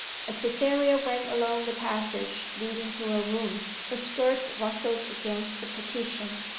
As Cytherea went along the passage leading to her room her skirts rustled against the partition.